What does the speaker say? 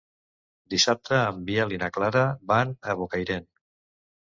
Dissabte en Biel i na Clara van a Bocairent.